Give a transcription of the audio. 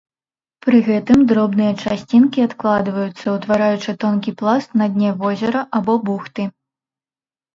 Пры гэтым дробныя часцінкі адкладваюцца, утвараючы тонкі пласт на дне возера або бухты.